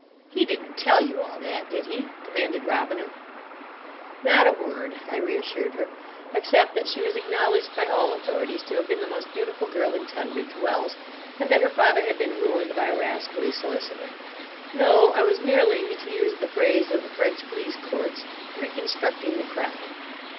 "He didn't tell you all that, did he?" demanded Robina. "Not a word," I reassured her, "except that she was acknowledged by all authorities to have been the most beautiful girl in Tunbridge Wells, and that her father had been ruined by a rascally solicitor. No, I was merely, to use the phrase of the French police courts, 'reconstructing the crime.